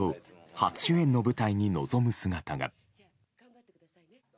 初主演の舞台に臨む姿が。